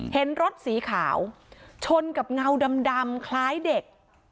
เห็นรถสีขาวชนกับเงาดำคล้ายเด็ก